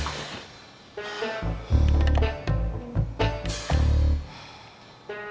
tidak ris gir regarder